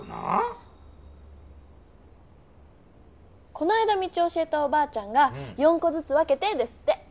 この間道を教えたおばあちゃんが「４こずつ分けて」ですって。